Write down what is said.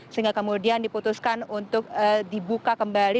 sehingga kemudian diputuskan untuk dibuka kembali